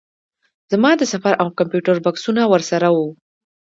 زما د سفر او کمپیوټر بکسونه ورسره وو.